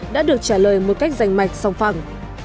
đã được trả lời một cách rành mạch song phẳng